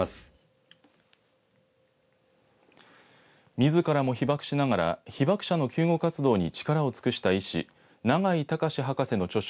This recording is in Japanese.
みずからも被爆しながら被爆者の救護活動に力を尽くした医師永井隆博士の著書